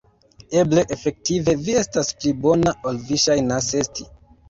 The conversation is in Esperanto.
Eble, efektive, vi estas pli bona, ol vi ŝajnas esti.